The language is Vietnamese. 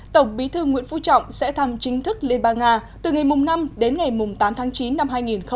tổng bí thư nguyễn phú trọng sẽ thăm chính thức liên bang nga từ ngày năm đến ngày tám tháng chín năm hai nghìn hai mươi